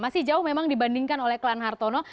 masih jauh memang dibandingkan oleh klan hartono